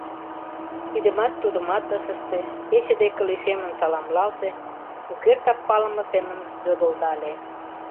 Тидымат-тудымат ыш ыште, пече деке лишемын саламлалте, шукертак палыме семын йодылдале: